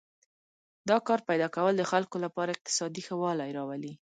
د کار پیدا کول د خلکو لپاره اقتصادي ښه والی راولي.